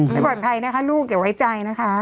ไม่ปลอดภัยนะคะลูกอย่าไว้ใจนะคะ